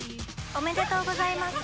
おめでとうございます。